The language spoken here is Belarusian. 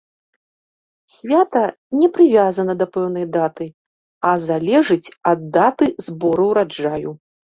Свята не прывязана да пэўнай даты, а залежыць ад даты збору ўраджаю.